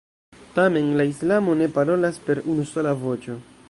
Tamen la islamo ne parolas per unusola voĉo.